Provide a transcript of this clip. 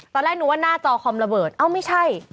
ตอนแรกนึกว่าหน้าจอคอมระเบิดเอ้าไม่ใช่